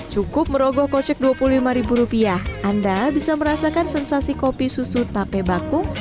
cukup merogoh kocek rp dua puluh lima rupiah anda bisa merasakan sensasi kopi susu tape bakung